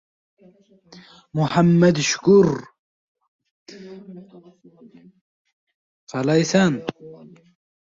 u olovni alanga oldiradi, kuchli shamol – dovul, alangani so‘ndiradi va o‘chiradi.